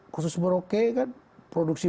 khusus merauke kan produksi